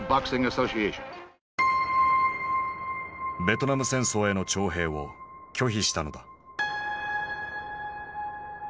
ベトナム戦争への徴兵を拒否したのだ。